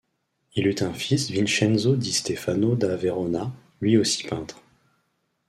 Il eut un fils Vincenzo di Stefano da Verona, lui aussi peintre.